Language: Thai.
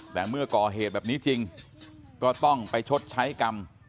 แต่เมื่อก่อเหตุแบบนี้จริงก็ต้องไปชดใช้กรรม